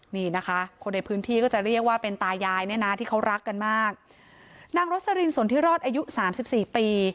นี่นะคะคนในพื้นที่ก็จะเรียกว่าเป็นตายายเนี่ยนะที่เขารักกันมากนางรสลินสนทิรอดอายุสามสิบสี่ปี